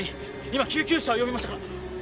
今救急車を呼びましたから。